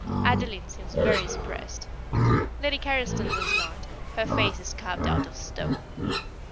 Adeline seems very suppressed; Lady Carriston does not her face is carved out of stone.